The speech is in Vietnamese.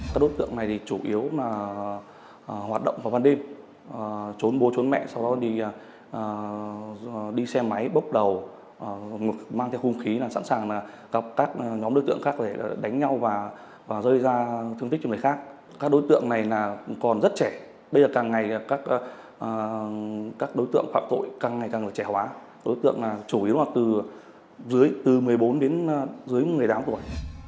càng ngày càng trẻ hóa đối tượng chủ yếu là từ một mươi bốn đến dưới một người đám tuổi